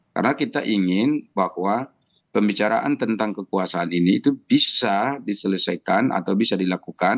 karena kita ingin bahwa pembicaraan tentang kekuasaan ini itu bisa diselesaikan atau bisa dilakukan